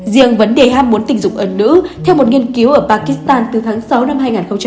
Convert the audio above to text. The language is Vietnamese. riêng vấn đề ham muốn tình dục ở nữ theo một nghiên cứu ở pakistan từ tháng sáu năm hai nghìn một mươi chín